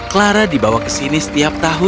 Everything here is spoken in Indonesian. clara dibawa ke sini setiap tahun